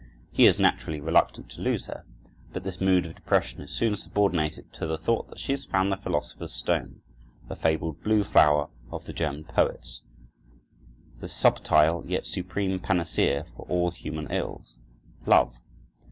He is naturally reluctant to lose her, but this mood of depression is soon subordinated to the thought that she has found the philosopher's stone, the fabled blue flower of the German poets, the subtile, yet supreme panacea for all human ills—love.